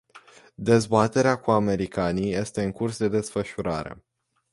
Dezbaterea cu americanii este în curs de desfășurare.